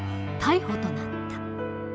逮捕となった。